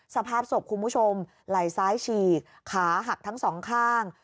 สภาพศพคุณผู้ชมไหล่ซ้ายฉีกขาหักทั้งสองข้าง